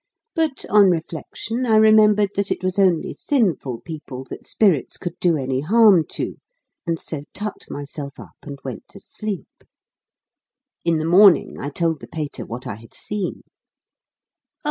But, on reflection, I remembered that it was only sinful people that spirits could do any harm to, and so tucked myself up, and went to sleep. In the morning I told the Pater what I had seen.